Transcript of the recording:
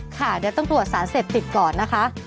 ค่ะเดี๋ยวต้องตรวจสารเสพติดก่อนนะคะ